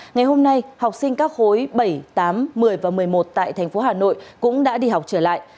ngày hôm nay học sinh các khối bảy tám một mươi và một mươi một tại thành phố hà nội cũng đã đi học trở lại